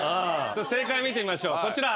正解見てみましょうこちら。